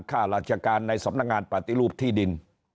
ข้าราชการในสำนักงานปฏิรูปที่ดิน